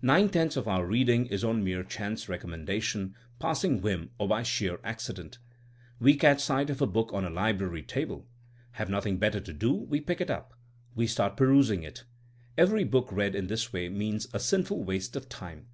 Nine tenths of our reading is on mere chance recommendation, passing whim or by sheer ac cident. We catch sight of a book on a library table. Having nothing better to do we pick it up; we start perusing it. Every book read in this way means a sinful waste of time.